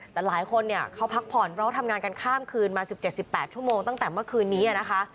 แต่หลายคนเนี่ยเขาพักผ่อนเพราะทำงานกันข้ามคืนมา๑๗๑๘ชั่วโมงตั้งแต่เมื่อคืนนี้นะคะ